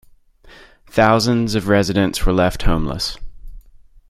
Thousands of residents were left homeless.